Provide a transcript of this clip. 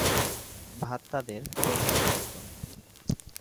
ভাত তাদের প্রধান খাদ্য।